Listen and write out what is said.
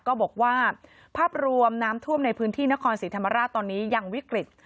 ก็บอกว่าภาพรวมน้ำท่วมในพื้นที่นครศรีธรรมราชตอนนี้ยังวิกฤต